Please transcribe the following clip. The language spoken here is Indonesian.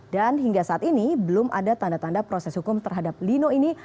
dan hingga saat ini belum ada tanda tanda proses hukum terhadap lino ini